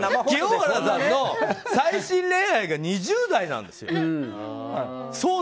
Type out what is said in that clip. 清原さんの最新恋愛が２０代なんですよ。